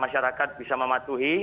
masyarakat bisa mematuhi